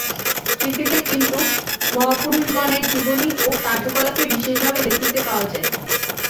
স্মৃতিতে কিন্তু মহাপুরুষগণের জীবনী ও কার্যকলাপই বিশেষভাবে দেখিতে পাওয়া যায়।